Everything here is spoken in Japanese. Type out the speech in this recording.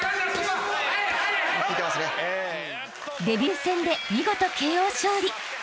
［デビュー戦で見事ＫＯ勝利］